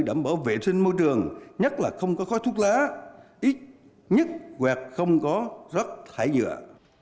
đảm bảo vệ sinh môi trường nhất là không có khói thuốc lá ít nhất hoặc không có rắc thải nhựa